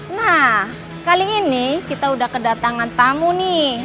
nah kali ini kita udah kedatangan tamu nih